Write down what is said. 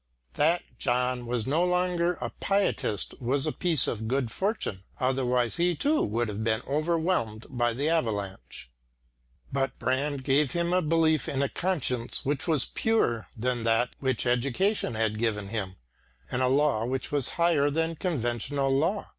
That John was no longer a pietist was a piece of good fortune, otherwise he too would have been overwhelmed by the avalanche. But Brand gave him a belief in a conscience which was purer than that which education had given him, and a law which was higher than conventional law.